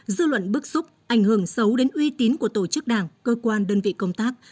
dư luận bức xúc ảnh hưởng xấu đến uy tín của tổ chức đảng cơ quan đơn vị công tác